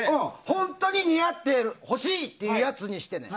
本当に似合って欲しい！ってやつにしてね。